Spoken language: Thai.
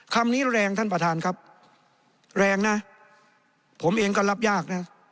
คำนี้แรงท่านประธานครับแรงนะผมเองก็รับยากนะ